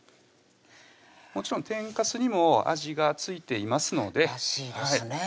もちろん天かすにも味が付いていますのでらしいですね